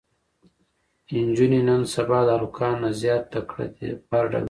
انجونې نن سبا د هلکانو نه زياته تکړه دي په هر ډګر کې